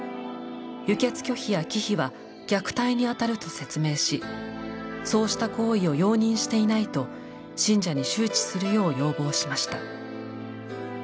輸血拒否や忌避は虐待にあたると説明しそうした行為を容認していないと信者に周知するよう要望しました。